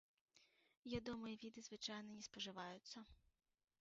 Ядомыя віды звычайна не спажываюцца.